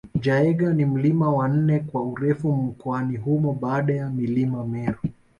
Jaeger ni mlima wa nne kwa urefu mkoani humo baada ya milima Meru